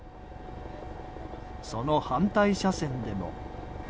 その反対車線でも。